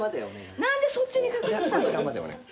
何でそっちに確認したの？